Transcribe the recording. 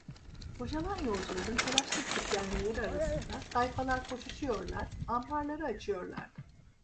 Boşalan yolcuların, telaşlı gidip gelmeleri arasında, tayfalar koşuşuyorlar, ambarları açıyorlardı.